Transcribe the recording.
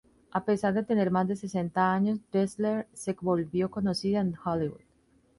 A pesar de tener más de sesenta años, Dressler se volvió conocida en Hollywood.